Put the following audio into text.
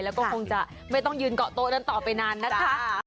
แล้วก็คงจะไม่ต้องยืนเกาะโต๊ะนั้นต่อไปนานนะคะ